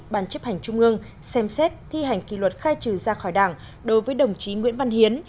ban chấp hành trung ương xem xét thi hành kỷ luật khai trừ ra khỏi đảng đối với đồng chí nguyễn văn hiến